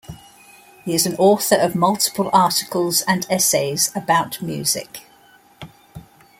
He is an author of multiple articles and essays about music.